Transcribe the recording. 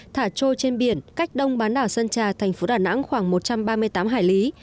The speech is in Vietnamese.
thả trôi trên biển cách đông bán đảo sơn trà thành phố đà nẵng khoảng một trăm ba mươi tám hải lý